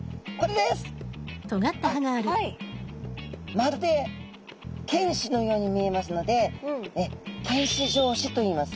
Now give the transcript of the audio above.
まるで犬歯のように見えますので犬歯状歯といいます。